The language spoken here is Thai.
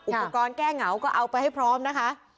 อุปกรณ์แก้เหงาก็เอาไปให้พร้อมนะคะ